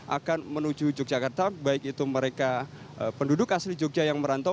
akan menuju yogyakarta baik itu mereka penduduk asli jogja yang merantau